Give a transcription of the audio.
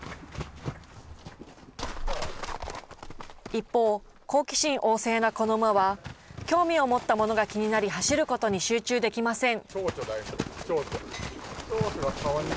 一方、好奇心旺盛なこの馬は、興味を持ったものが気になり、走ることに集中できません。